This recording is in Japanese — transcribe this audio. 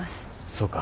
そうか。